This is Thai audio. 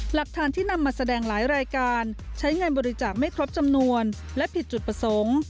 หลักฐานที่นำมาแสดงหลายรายการใช้เงินบริจาคไม่ครบจำนวนและผิดจุดประสงค์